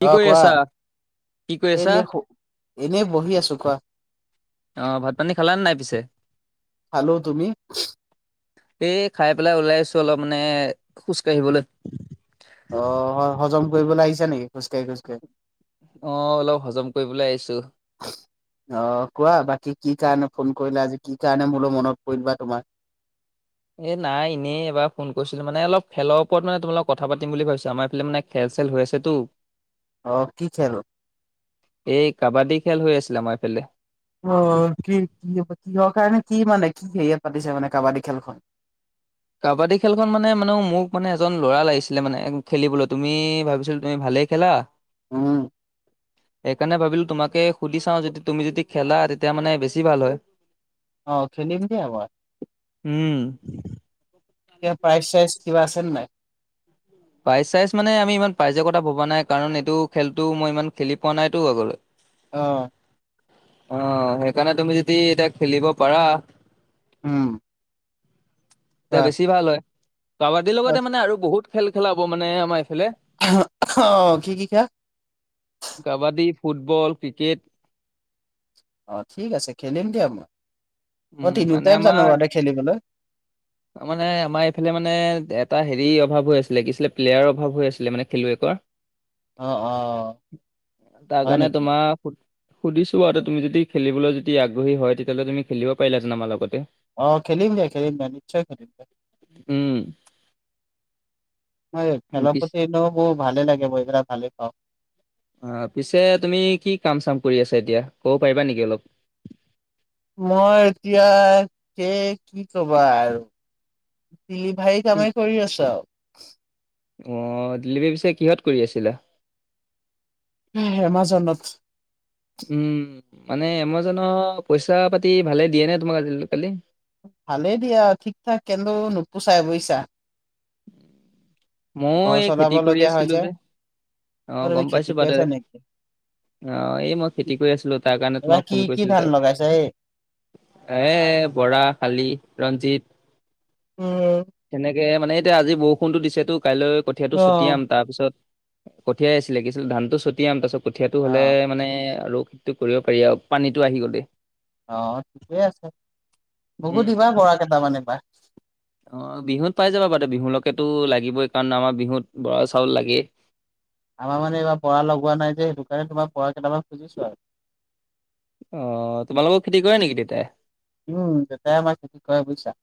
কি অ কৰি কোৱা আছা? কি কৰি আছা? এনে এনেই বহি আছো কোৱা অহ ভাত - পানী খালা নে নাই পিছে? খালো তুমি এই খাই পেলাই ওলাইছোঁ অলপ মানে খোজ কাঢ়িবলে। অ হজম কৰিবলে আহিছা নেকি খোজকাঢ়ি খোজকাঢ়ি। অ অলপ হজম কৰিবলে আহিছোঁ। অ কোৱা বাকী কি কাৰণে ফোন কৰিলা আজি কি কাৰণে মোলৈ মনত পৰিলেবা তোমাৰ। এ নাই এনেই এবাৰ ফোন কৰিছিলোঁ মানে অলপ খেলৰ ওপৰত মানে তোমালগত কথা পাতিম বুলি ভাবিছোঁ আমাৰ এইফালে মানে খেল চেল হৈ আছেতো। অ কি খেল। এই কাবাডী খেল হৈ আছিলে আমাৰ এইফালে। অ কি কি হ কিহৰ কাৰণে কি মানে কি হেৰিয়াত পাতিছে মানে কাবাডী খেলখন। কাবাডী খেলখন মানে মানে মোক মানে এজন ল'ৰা লাগিছিলে মানে খেলিবলৈ তুমি ভাবিছিল তুমি ভালেই খেলা উম। সেইকাৰণে ভাবিলোঁ তোমাকে সুধি চাওঁ যদি তুমি যদি খেলা তেতিয়া মানে বেছি ভাল হয়। অ', খেলিম দিয়া এবাৰ। উম। কিবা প্ৰাইছ চাইজ কিবা আছে নাই? পাইছ চাইজ মানে আমি ইমান পাইজৰ কথা ভবা নাই কাৰণ এইটো খেলতটো মই ইমান খেলি পোৱা নাইতো আগলৈ। অ' অ', সেইকাৰণে তুমি যদি এতিয়া খেলিব পাৰা। উম, এতিয়া কোৱা বেছি ভাল হয় কাবাডীৰ লগতে মানে আৰু বহুত খেল খেলাব মানে আমাৰ এইফালে। অ', কি কি খেল কাবাডী, ফুটবল, ক্ৰিকেট। অ', ঠিক আছে খেলিম দিয়া মই অ', তিনিওটাই জানোঁ বাৰু দে খেলিবলে। [inaudible] অ', মানে আমাৰ এইফালে মানে এটা হেৰি অভাৱ হৈ আছিলে কি আছিলে প্লেয়াৰ অভাৱ হৈ আছিলে মানে খেলুৱৈকৰ। অ অ তাৰ হয় কাৰণে নেকি তোমাৰ সুধিছো আৰু তুমি যদি খেলিবলৈ যদি আগ্ৰহী হয় তেতিয়াহ'লে তুমি খেলিব পাৰিলাহেঁতেন আমাৰ লগতে। অ খেলিমগে খেলিমগে নিশ্চয় খেলিমগে। উম। ম খেল পিছে পতিনেও মোৰ ভালে লাগে মই ভালে পাওঁ। অ পিছে তুমি কি কাম চাম কৰি আছা এতিয়া ক'ব পাৰিবা নেকি অলপ। মই এতিয়া কে কি ক'বা আৰু। ডিলিভাৰী কামেই কৰি আছোঁ আৰু। অঁ', ডেলিভাৰী পিচে কিহত কৰি আছিলা? উম, এমাজনত। উম, মানে এমাজনৰ পইচা পাতি ভালে দিয়ে নে তোমাক আজ কালি? ভালেই দিয়া ঠিক ঠাক কিন্তু নোপোচাই বুইছা। ঘৰ মই এই চলাব খেতি কৰি লগীয়া হয় আছিলোঁ যে অ আহ তুমি গম খেতি পাইছোঁ বাদে। কৰিছা নেকি অ', এই মই খেতি কৰি আছিলোঁ তাৰ কাৰণে এইবাৰ তোমাক কি ফোন কি কৰিছিলোঁ। [unintelligible] এ বৰা, শালি, ৰঞ্জিত উম, তেনেকে। কে মানে এতিয়া আজি বৰষুণতো দিছেতো কাইলৈ অ কঠিয়াটো ছটিয়াম। তাৰপিছত কঠিয়াই আছিলে কিছিল ধানটো ছটিয়াম তাৰপিছত কঠীয়াটো অ হ'লে মানে আৰু টো কৰিব পাৰি আৰু পানীতো আহি গ'লে। অ', ঠিকেই আছে মোকো উম, দিবা বৰা কেইটামান এবাৰ। অ', বিহুত পাই যাবা বাৰু দউ বিহুলৈকেতো লাগিবই। কাৰণ আমাৰ বিহুত বৰা চাউল লাগেই। আমাৰ মানে এইবাৰ বৰা লগোৱা নাই যে সেইটো কাৰণে তোমাক বৰাকেইটামান খুজিছো আউ অ', তোমালোকৰ খেতি কৰে নেকি দেতেই? উম, দেতাই আমাৰ খেতি কৰে বুইছা।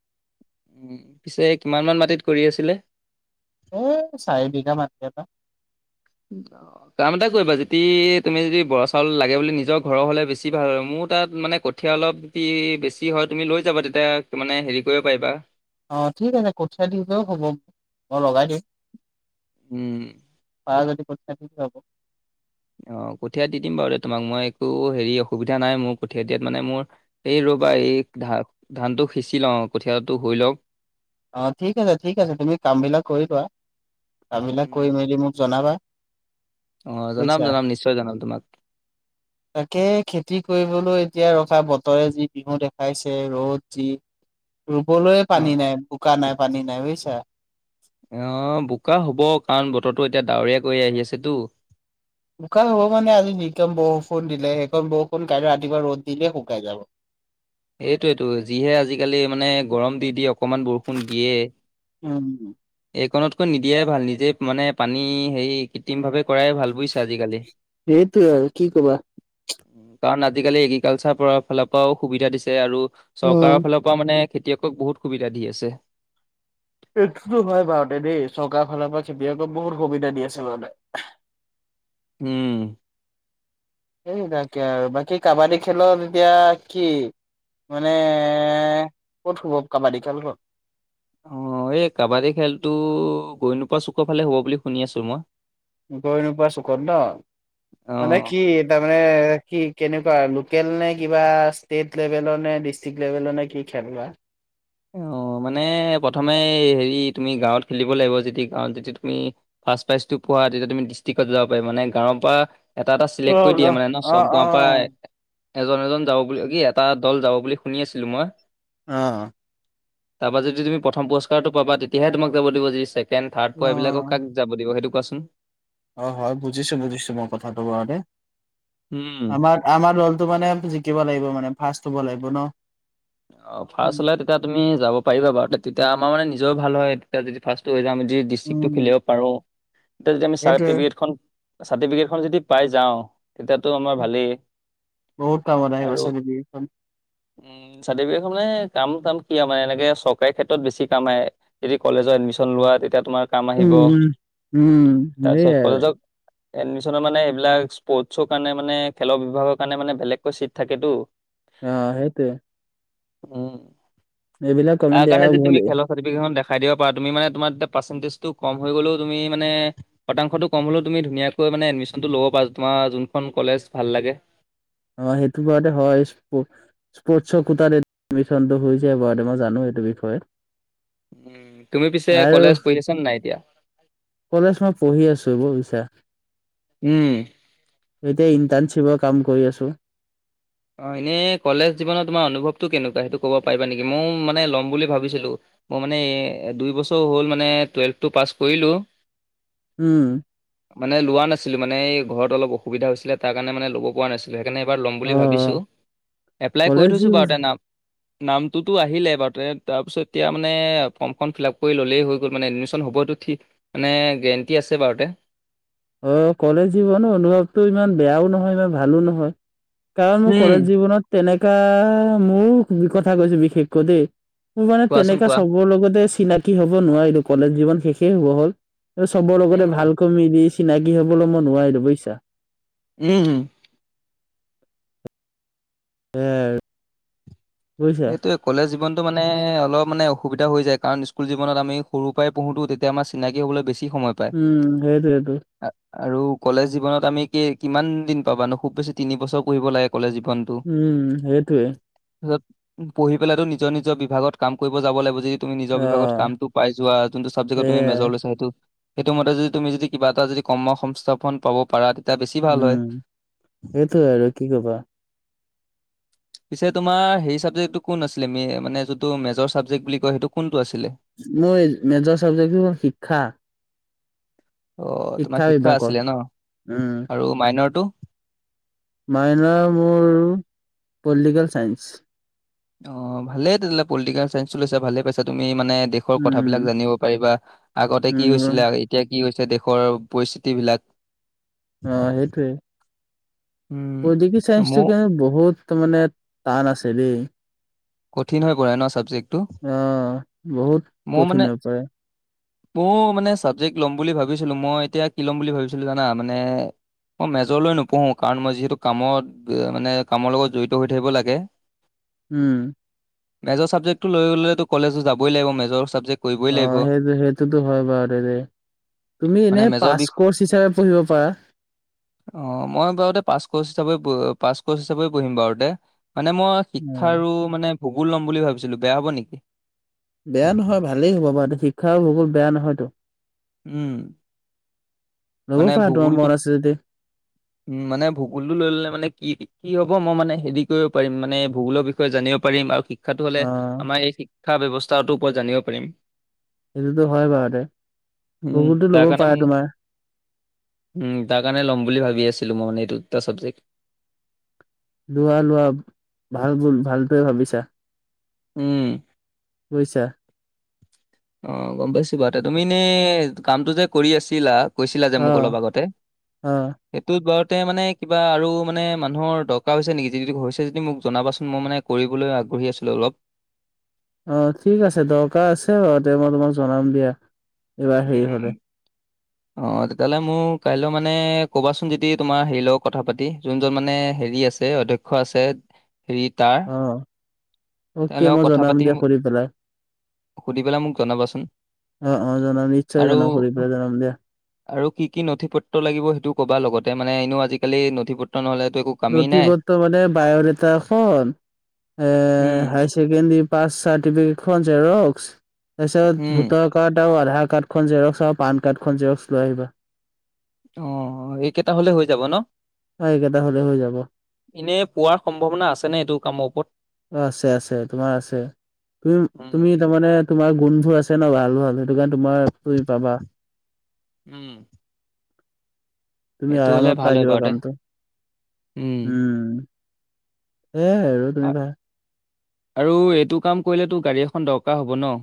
উম পিছে কিমান মান মাটিত কৰি আছিলে? এ চাৰি বিঘা মাটি এটা। উম অ কাম এটা কৰিবা যদি তুমি যদি বৰা চাউল লাগে বুলি নিজৰ ঘৰৰ হলে বেছি ভাল হয় মোৰ তাত মানে কঠ কঠীয়া অলপ যদি বেছি হয় তুমি লৈ যাবা তেতিয়া মানে হেৰি কৰিব পাৰিবা। অ', ঠিক আছে কঠিয়া দিলেও হ'ব মই লগাই দিম। উম,। ভাল যদি কঠিয়া দিলেও হব। অ', কঠীয়া দি দিম বাৰু দে তোমাক মই একো হেৰি অসুবিধা নাই মোৰ কঠীয়া দিয়াত মানে মোৰ এই ৰ'বা এই ধা ধানটো সিঁচি লওঁ কঠীয়াটো হৈ লওক। অ', ঠিক আছে ঠিক আছে তুমি কামবিলাক কৰি লোৱা কামবিলাক উম, কৰি মেলি মোক জনাবা। অ', জনাম বুজিছা। জনাম নিশ্চয় জনাম তোমাক। তাকে খেতি কৰিবলৈ এতিয়া ৰখা বতৰে যি বিহু দেখাইছে ৰ'দ যি। ৰুবলৈয়ে অ'। পানী নাই বোকা নাই পানী নাই বুইছা অ বোকা হব কাৰণ বতৰটো এতিয়া ডাৱৰীয়া কৰি আহি আছেতো বোকা হব মানে আজি যি কন বৰষুণ দিলে সেইকন বৰষুণ কাইলৈ ৰাতিপুৱা ৰ'দ দিলে শুকাই যাব এইটোৱেতো যিহে আজিকালি মানে গৰম দি দি অকমান বৰষুণ দিয়ে উম এইকণতকৈ নিদিয়াই ভাল নিজে মানে পানী হেৰি কৃত্ৰিম ভাৱে কৰাই ভাল বুইছে আজিকালি সেইটোৱে আৰু কি কবা কাৰণ আজিকালি এগ্ৰিকালচাৰ পৰা ফালৰ পৰাও সুবিধা দিছে আৰু উম। চৰকাৰৰ ফালৰ পৰা মানে খেতিয়কক বহুত সুবিধা দি আছে এইটোতো হয় বাৰু দে দেই চৰকাৰ ফালৰ পৰা খেতিয়কক বহুত সুবিধা দি আছে মানে উম সেইবিলাকে আৰু বাকী কাবাডী খেলত এতিয়া কি মানে ক'ত হব কাবাডী খেলখন অ', এই কাবাডী খেলতো গৈ নোপাৱা চুকৰ ফালে হ'ব বুলি শুনি আছো মই। গৈ নোপোৱা চুকত ন' মানে অ'। কি তাৰমানে কি কেনেকুৱা লোকেল নে কিবা ষ্টেট লেভেলৰ নে ডিষ্ টিক লেভেলৰ নে কি খেল বা অ মানে প্ৰথমে হেৰি তুমি গাঁৱত খেলিব লাগিব যেতি গাঁৱত যদি তুমি ফাৰ্ষ্ট প্ৰাইজটো পোৱা তেতিয়া তুমি ডিষ্ট্ৰিকটত যাব পাৰি মানে গাঁৱৰ পা এটা এটা অ চিলেক্ট কৰি অ দিয়ে মানে ন চব অ অ গাঁৱ পাই এজন এজন যাব বুলি কি এটা দল যাব বুলি শুনি আছিলো মই অঁ তাৰপা যদি তুমি প্ৰথম পুৰস্কাৰটো পাবা তেতিয়াহে তোমাক যাব দিব যদি ছেকেণ্ড থাৰ্ড পোৱা এইবিলাকক অ কাক যাব দিব সেইটো কোৱাচোন অ হয় বুজিছো বুজিছো মই কথাটো বাউকে উম আমাক আমাৰ দলটো মানে জিকিব লাগিব মানে ফাৰ্ষ্ট হব লাগিব ন অ ফাষ্ট হ'লে দি তেতিয়া তুমি যাব পাৰিবা বাৰু তেতিয়া আমাৰ মানে নিজও ভাল হয় তেতিয়া যদি ফাৰ্ষ্ট হৈ যাম যদি ডিষ্ট্ৰিকতো উম খেলিব পাৰোঁ এতিয়া যদি আমি সেইটোৱে চাৰ্টিফিকেটখন চাৰ্টিফিকেটখন যদি পাই যাওঁ তেতিয়াতো আমাৰ ভালেই বহুত কামত আহিব আৰু চাবিবি উম উম চাৰ্টিফিকেটখন মানে কাম চাম কি মানে এনেকে চৰকাৰী ক্ষেত্ৰত বেছি কাম আহে যদি কলেজত এডমিশ্যন লোৱা তেতিয়া তোমাৰ কাম আহিব উম উম সেইয়াই তাৰপিছত আৰু। কলেজক এডমিশনৰ মানে এইবিলাক স্পৰ্টচৰ কাৰণে মানে খেলৰ বিভাগৰ কাৰণে মানে বেলেগকৈ চিট থাকেতো অ সেইটো উম এইবিলাক তা কমেণ্ট কাৰণে এয়াও যদি ভুল তুমি খেলৰ চাৰ্টিফিকেটখন দেখাই দিব পাৰা তিানে তমাৰ পাৰ্চেণ্টেজটো কম হৈ গ'লে তুমি মানে শতাংশটো কম হ'লেও তুমি ধুনীয়াকৈ মানে এডমিশনটো ল'ব পাৰা তোমাৰ যোনখন কলেজ ভাল লাগে অ সেইটো বাৰুতো হয় স্পৰ্টছ স্পৰ্টছৰ কোতাত এটো এমিশনটো হৈ যায়বাৰু মই জানো এইটো বিষয়ে উ তুমি পিছে আৰু কলেজ পঢ়ি আছ নে নাই এতিয়া কলেজ মই পঢ়ি আছো বুজিছা উম, এতিয়া ইন্টাৰ্নশ্বিপৰ কাম কৰি আছো অ এনে কলেজ জীৱনত তোমাৰ অনুভৱটো কেনেকুৱা সেইটো ক'ব পাৰিবা নেকি মই মানে ল'ম বুলি ভাবিছিলো মই মানে এ দুই বছৰ হ'ল মানে টুৱেলভটো পাছ কৰিলোঁ উম মানে লোৱা নাছিলো মানে ঘৰত অলপ অসুবিধা হৈছিলে তাৰ কাৰণে মানে ল'ব পৰা নাছিলো সেইকাৰণে এইবাৰ ল'ম অ বুলি ভাবিছোঁ এপ্লাই কৰি কলেজ থৈছোঁ বাৰু তা নাম নাম টো টো আহিলে বাত টো তাপিছত এতিয়া মানে ফ্ৰমখন ফ্ৰিলাপ কৰি ল'লে হৈয় গল এডমিচন হ'বতটো ঠিক মানে গেৰেণ্টি আছে বাৰুতে অঁ কলেজ জীৱন অনুভৱটো ইমান বেয়াও নহয় ইমান ভালো নহয়। কাৰণ মোৰ উম, কলেজ জীৱনত তেনেকা মোৰ কথা কৈছো বিশেষকৈ দেই মোৰ মানে কোৱাচোন তেনেককা কোৱা? চবৰ লগতে চিনাকি হ'ব নোৱাৰিলো কলেজ জীৱন শেষেই হব হ'ল চবৰ লগতে উম, ভালকৈ মিলি চিনাকি হবলৈ মই নোৱাৰিলো বুজিছা উম হুম এয়াই আৰু বুজিছা এইটোৱে কলেজ জীনটো মানে অলপ মানে অসুবিধা হৈ যায় কাৰণ স্কুল জীৱনত আমি সৰু পৰাই পঢ়োতোও তেতিয়া তে আমৰ চিনাকি হ'বলৈ বেছি সময় উম সেইটোৱেইটো আআৰু কলেজ জীৱনত আমি কি কিমান দিন পাবাানো খুব বেছি তিন বছৰ পঢ়িব লাগে কলেজ জীৱন উম সেইটোৱে তাৰছত পঢ়ি পেলাইটো নিজৰ নিজৰ বিভাগত কাম কৰিব যাব লাগিব জি তুমি নিজৰ অ বিভাগত কামটো পাই যোৱা যোনটো চাবজে্টত তুমি সেইয়াই মেজৰ লৈছ সেইটো সেইটো মতে যদি তুমি যদি কিবা এটা যদি কৰ্ম সংস্থাপন পাব পাৰা তেতিয়া বেছি ভাল উম হয়। সেইটোৱেই উম, আৰু কি কবা পিছে তোমাৰ হেৰি ছাবজেক্টটো কোন আছিলে ম মানে যোনটো মেজৰ ছাবজেক্ট বুলি কয় সেইটো কোনটো আছিলে মোৰ মেজৰ চাবজেক্টটো হল শিক্ষা অঁ তোমাৰ শিক্ষা আছিলে ন উম আৰু মাইনৰটো মাইনৰ মোৰ পলিটিকেল চাইন্স অ ভালে তেতিয়াহলে পলিটিকেল চাইন্ঞ্চটো লৈছা ভালে পাইছা তুমি মানে দেশ দেশৰ উম কথাবিলাক জানিব পাৰিবা আগতে কি উম হৈছিলে এতিয়া কি হৈছে দেশৰ পৰিস্থিতি বিলাক অ সেইটোৱেই উম পলিটিকেল চাইঞ্চটো মোৰ কি বহুত মানে টান আছে দেই? কঠিন হৈ পৰে ন চাবজেক্টটো অ বহুত মোৰ কঠিন মানে হৈ পৰে মোৰ মানে চাবজেক্ট ল'ম বুলি ভাবিছিলো মই এতিয়া কি ল'ম বুলি ভাবিছিলো জানা মানে মই মেজৰ ললৈ নপঢ়ো কাৰণ মই যিহেতু কামত মানে কামৰ লগত জড়িত হৈ থাকিব লাগে। উম। মেজ চাবজেক্ট টো লৈ ল'লেো কলেজত যাবই লাগিব মেৰ চাবজেক্ট। কৰিবই অ লাগিব সেইটো সেইটোতো হয় বাৰু তুমি মানে এনেই মেজৰ পাছ বিষয় কৰ্চ হিচাপে পঢ়িব পাৰা। অ মই বাৰু পাচ কৰ্চ হিচাপে পাচ কৰ্চ হিচাপে বহিম বাৰু? মানে মই হয় শিক্ষাৰো মানে ভূগোল লম বুলি ভাবিছিলো বেয়া হব নেকি? বেয়া নহয় ভালেই হ'ব বাৰু এই শিক্ষা আৰু ভূগোল বেয়া নহয়তো। উম। ল'ব মানে পাৰা তোমাৰ ভূগোলটো মন আছে যদি উম মানে ভূগোলটো লৈ ল'লে মানে কি কি হ'ব মই মানে হেৰি কৰিব পাৰিম মানে ভূগোলৰ বিষয়ে জানিব পাৰিম আৰু শিক্ষাটো হ'লে অ আমাৰ এই শিক্ষা ব্যৱস্থাটোৰ ওপৰত জানিব পাৰিম। সেইটোতো হয় বাৰুতে উম, ভূগোল টো তাৰ ল'ব কাৰণে মানে পাৰে তোমাৰ উম তাৰ কাৰণে ল'ম বুলি ভাবি আছিলো মই মানে এইটো দুটা ছাবজেক্ট। লোৱা লোৱা ভাল ব ভালটোৱে ভাবিছা। উম। বুজিছা। অ গম পাইছো বাৰু তুমি এনে কামটো যে কৰি আছিলা। কৈছিলা যে অ মোক অলপ আগতে। অ সেইটোত বাৰতে মানে কিবা আৰু মানে মানুহৰ দৰকাৰ হৈছে নেকি যি হৈছে যদি মোক জনাবাচোন মই মানে কৰিবলৈ আগ্ৰহী আছিলোঁ অলপ। অ ঠিক আছে দৰকাৰ আছে বাৰু তে মই তোমাক জনাম দিয়া। এইবাৰ হেৰি হলে উম। অ', তেতিয়াহ'লে মোৰ কাইলৈ মানে কবাচোন যদি তোমাৰ হেৰিৰ লগত কথা পাতি যোনজন মানে হেৰি আছে। অধ্যক্ষ আছে হেৰি তাৰ অ', তেওঁৰ অকে লগত মই কথা জনাম পাতি দিয়া মোক সুধি পেলাই। সুধি পেলাই মোক জনাবাচোন অ', অ', জনাম নিশ্চয় আৰু জনাম সুধি পেলাই জনাম দিয়া। আৰু কি কি নথি পত্ৰ লাগিব সেইটো কবা লগতে মানে এনেও আজিকালি নথি পত্ৰ নহলেতো একো কামেই নথি নাই পত্ৰ মানে বায়ডাটা এটা এখন এ উম হাই ছেকেণ্ডৰী পাছ চাৰ্টিফিকেটখন জেৰক্স উম তাৰপিছত ভোটৰ কাৰ্ড আৰু আধাৰ কাৰ্ডখনন জেৰক্স আৰু পান কাৰ্ডখন জেৰক্স লৈ আহিবা। অ', এইকেইটা হ'লে হৈ যাব ন? হয় এইকেইটা হ'লে হৈ যাব। এনেই পোৱাৰ সম্ভাৱনা আছে নে এইটো কামৰ ওপৰত। অ', আছে আছে তোমাৰ আছে তুমি উম তুমি মানে তোমাৰ গুণবোৰ আছে ন ভাল ভাল সেইটো কাৰণে তোমাৰ তুমি পাবা। উম। তুমি সেইটো হ'লে আৰামত ভাল হয় পাইজা বা বাৰু দে কামটো। উম এ আৰু তুমি আ- ভা আৰু এইটো কাম কৰিলেতো গাড়ী এখন দৰকাৰ হ'ব ন।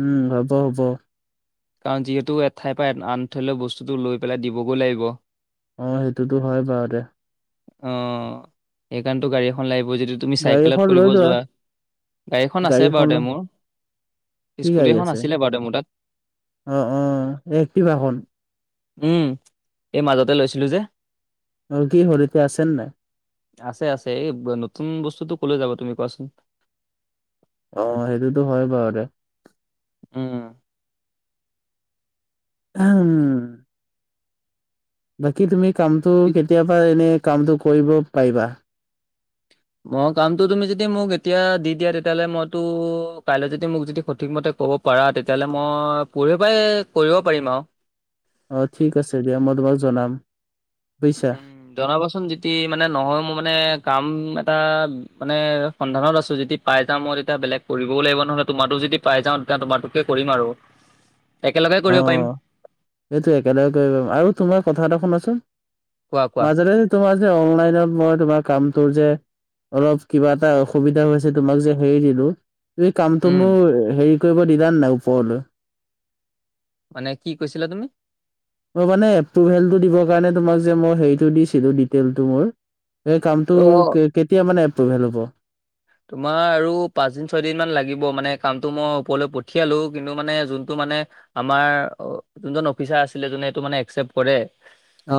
উম হ'ব হ'ব। কাৰণ যিহেতু এঠাইৰ পৰা আনঠাইলৈ বস্তুটো লৈ পেলাই দিবগৈ লাগিব। অ সেইটোতো হয় বাৰু দে। অ সেইকাৰনেটো গাড়ী এখন লাগিব যদি তুমি গাড়ী চাইকেলত এখন লৈ কৰিব লোৱা যোৱা, গাড়ীখন আছে বাৰু দে মোৰ। কি স্কুটি গাড়ী এখন আছে আছিলে বাৰু দে মোৰ তাত। অ অ একটিভা খন? উম এই মাজতে লৈছিলো যে। আৰু কি হ'ল এতিয়া আছে নে নাই? আছে আছে এই নতুন বস্তুতটো কলৈ যাব তুমি কোৱাচোন? অ সেইটোতো হয় বাৰু দে। উম। উম। বাকী তুমি কামতটো পি- কেতিয়াপা এনে কামটো কৰিব পাৰিবা? মই কামটো তুমি যদি মোক এতিয়া দি দিয়া তেতিয়াহ'লে মইতো কাইলৈ যদি মোক যদি সঠিকমতে ক'ব পৰা, তেতিয়াহ'লে মই পৰহি পৰাই কৰিব পাৰিম আৰু। অ ঠিক আছে দিয়া মই তোমাক জনাম। বুজিছা উম জনাবচোন যদি মানে নহয় মোৰ মানে কাম এটা মানে সন্ধানত আছো যদি পাই যাও মই তেতিয়া বেলেগ কৰিবই লাগিব নহ'লে, তোমাৰাতো যদি পাই যাওঁ তেতিয়া তোমাৰতোকে কৰিম আৰু। একেলগে অ কৰিব পাৰিম। সেইটো একেলগে কৰিব পাৰিম। আৰু তোমাৰ কথা এটা শুনাচোন কোৱা কোৱা। মাজতে তোমাৰ যে অনলাইনত মই তোমাৰ কামটোৰ যে অলপ কিবা এটা অসুবিধা হৈছে তোমাক যে হেৰি দিলো, তুমি কামটো উম, মোৰ হেৰি কৰিব দিলানে নাই ওপৰলৈ? মানে কি কৈছিলা তুমি? মই মানে এপ্ৰোভেলটো দিবৰ কাৰণে তোমাক যে মই হেটো দিছিলো ডিটেইলটো মোৰ সেই কামটো অ'। কে-কেতিয়া মানে এপ্ৰোভেল হ'ব? তোমাৰ আৰু পাঁচদিন ছয়দিন মান লাগিব, মানে কামটো মই ওপৰলৈ পঠিয়ালো কিন্তু মানে যোনটো মানে আমাৰ যোনজন অফিচাৰ আছিলে জোনে এইটো মানে একচেপ্ট কৰে অ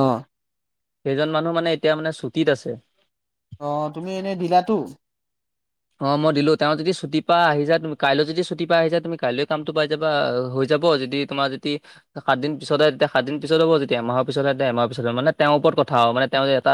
সেইজন মানুহ মানে এতিয়া মানে ছুটিত আছে। অ তুমি এনে দিলা টো? অ মই দিলো তেওঁৰ যদি ছুটি পৰা আহি যায় তুমি কাইলৈ যদি ছুটি পৰা আহি যায় তুমি কাইলৈ কামটো পাই যাবা হৈ যাব যদি তোমাৰ যদি সাত দিন পিছত আহে তেতিয়া সাত দিন হ'ব, যেতিয়া এমাহৰ পিছত আহে এমাহৰ পিছত হ'ব, মানে তেওঁ ওপৰত কথা আৰু মানে তেওঁ যে এটা